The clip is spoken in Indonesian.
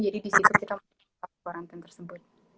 jadi disitu kita mau cari self quarantine tersebut